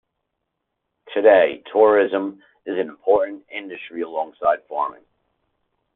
Today tourism is an important industry alongside farming.